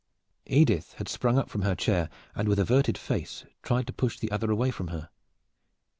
Edith had sprung up from her chair, and with averted face tried to push the other away from her.